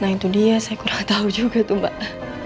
nah itu dia saya kurang tahu juga tuh mbak